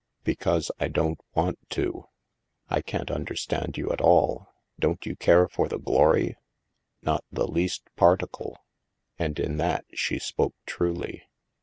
" Because I don't want to." " I can't understand you, at all. Don't you care for the glory ?"" Not the least particle." And in that, she spoke truly.